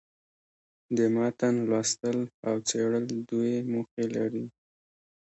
د متن لوستل او څېړل دوې موخي لري.